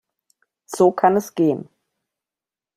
So kann es gehen.